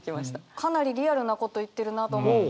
かなりリアルなこと言ってるなと思って。